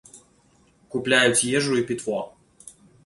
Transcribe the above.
Купляюць ежу і пітво.